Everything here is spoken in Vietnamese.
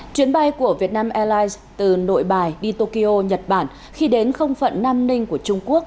chuyến bay của vietnam airlines từ nội bài đi tokyo nhật bản khi đến không phận nam ninh của trung quốc